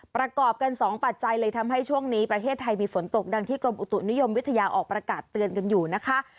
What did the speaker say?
ประกอบกันสองปัจจัยเลยทำให้ช่วงนี้ประเทศไทยมีฝนตกดังที่กรมอุตุนิยมวิทยาออกประกาศเตือนกันอยู่นะคะ